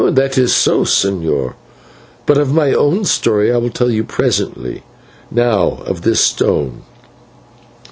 "That is so, señor, but of my own story I will tell you presently. Now of this stone.